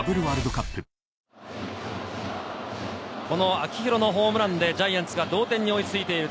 秋広のホームランでジャイアンツが２対２の同点に追いつきました。